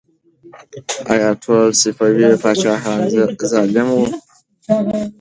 آیا ټول صفوي پاچاهان ظالم وو؟